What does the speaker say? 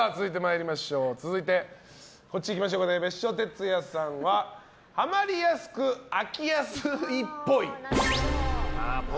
続いて、別所哲也さんはハマりやすく飽きやすいっぽい。